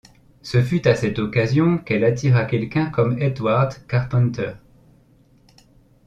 Ce fut à cette occasion qu'elle attira quelqu'un comme Edward Carpenter.